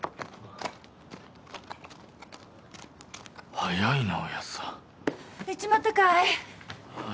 速いなおやっさん・行っちまったかい？